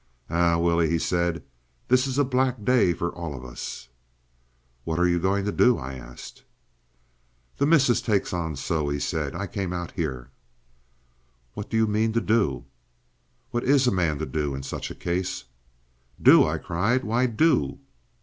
"Eh, Willie," he said, "this is a black day for all of us." "What are you going to do?" I asked. "The missus takes on so," he said. "I came out here." "What do you mean to do?" "What is a man to do in such a case?" "Do!" I cried, "why— Do!"